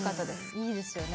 いいですよね。